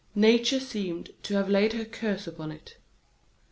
Nature seemed to have laid her curse upon it.